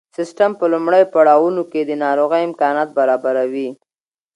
سیسټم په لومړیو پړاوونو کې د ناروغۍ امکانات برابروي.